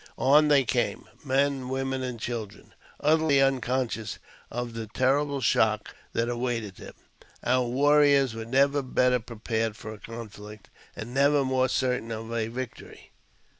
On they came — men, women, and children — utterly unconscious of the terrible shock that awaited them. Our warriors were never better prepared for a conflict, and never more certain of victory.